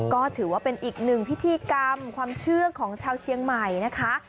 ก็ถือว่าเป็นอีกหนึ่งพิธีกรรมความเชื่อของชาวเชียงใหม่นะคะ